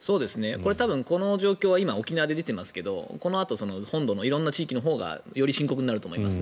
多分、この状況は今、沖縄で出ていますがこのあと本土の色んな地域のほうがより深刻になると思います。